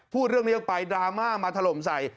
พูดเรื่องนี้ออกไปดราม่ามาถล่มใส่